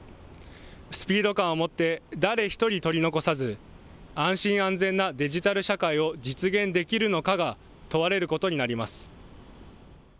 スピード感を持って誰１人取り残さず安心・安全なデジタル社会を実現できるのかが問われることになります。